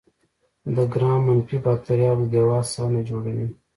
د ګرام منفي باکتریاوو دیوال سلنه جوړوي.